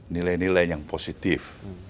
nilai nilai yang positif